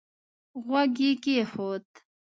غوږ يې کېښود.